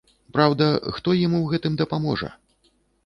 Праўда, хто ім у гэтым дапаможа?